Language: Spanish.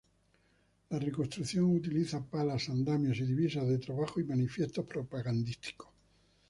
La reconstrucción utiliza palas, andamios y divisas de trabajo y manifiestos propagandísticos.